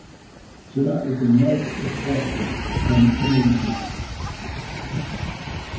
Cela était net et froid, comme inhabité.